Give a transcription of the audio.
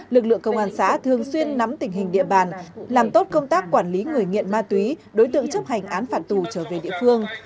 lực lượng công an xã thường xuyên nắm tình hình địa bàn làm tốt công tác quản lý người nghiện ma túy đối tượng chấp hành án phạt tù trở về địa phương